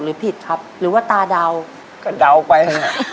แสนแสนแสนแสนแสนแสน